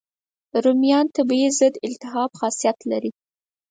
رومیان طبیعي ضد التهاب خاصیت لري.